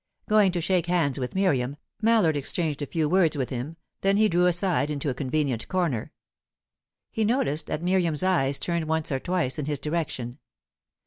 Going to shake hands with Miriam, Mallard exchanged a few words with him; then he drew aside into a convenient corner. He noticed that Miriam's eyes turned once or twice in his direction.